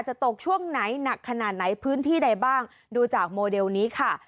ตกช่วงไหนหนักขนาดไหนพื้นที่ใดบ้างดูจากโมเดลนี้ค่ะ